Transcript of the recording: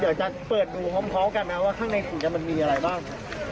เดี๋ยวจะเปิดดูพร้อมกันนะว่าข้างในถุงมันมีอะไรบ้าง